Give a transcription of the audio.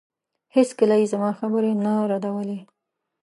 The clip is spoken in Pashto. هېڅکله يې زما خبرې نه ردولې.